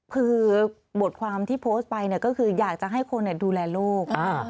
คือบทความที่โพสต์ไปเนี้ยก็คืออยากจะให้คนเนี้ยดูแลโรคอ่า